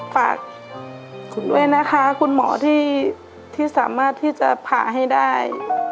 ฝากคุณด้วยนะคะคุณหมอที่สามารถที่จะผ่าให้ได้